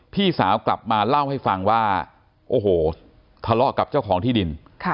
พี่สาวกลับมาเล่าให้ฟังว่าโอ้โหทะเลาะกับเจ้าของที่ดิน